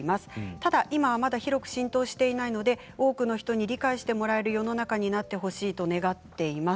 ただ今は広く浸透していないので多くの人に理解してもらえる世の中になってほしいと願っています。